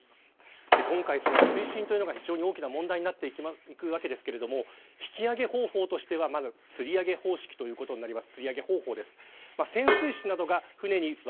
今回、水深というのが非常に大きな問題になっていくわけですが引き揚げ方法としてはまず、つり上げ方法ということになります。